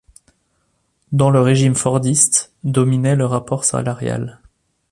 Dans le régime fordiste dominait le rapport salarial.